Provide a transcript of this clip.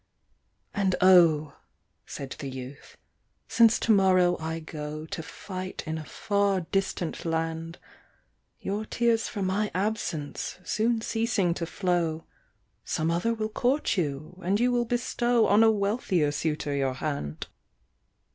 "And oh!" said the youth, "since to morrow I go To fight in a far distant land, Your tears for my absence soon ceasing to flow, Some other will court you, and you will bestow On a wealthier suitor your hand!"